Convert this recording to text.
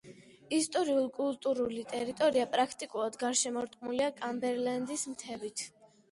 ისტორიულ-კულტურული ტერიტორია პრაქტიკულად გარშემორტყმულია კამბერლენდის მთებით.